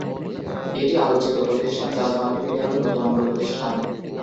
এটি আলোচিত প্রতিষ্ঠান জাজ মাল্টিমিডিয়ারই নতুন অঙ্গ প্রতিষ্ঠান।